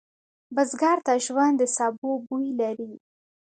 بزګر ته ژوند د سبو بوی لري